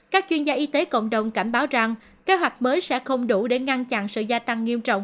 các chuyên gia y tế cộng đồng cảnh báo rằng kế hoạch mới sẽ không đủ để ngăn chặn sự gia tăng nghiêm trọng